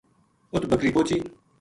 اُت بکری پوہچی